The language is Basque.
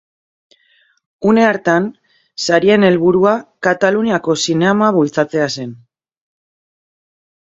Une hartan sarien helburua Kataluniako zinema bultzatzea zen.